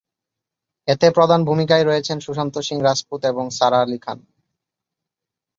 এতে প্রধান ভূমিকায় রয়েছেন সুশান্ত সিং রাজপুত এবং সারা আলি খান।